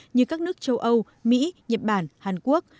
như các nước châu âu mỹ nhật bản hàn quốc